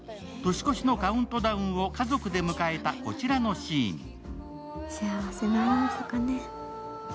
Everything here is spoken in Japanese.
年越しのカウントダウンを家族で迎えたこちらのシーン。